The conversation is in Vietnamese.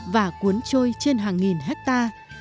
và cuốn trôi trên hàng nghìn hecta